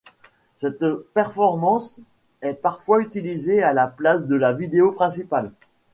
Cette performance est parfois utilisé à la place de la vidéo principale.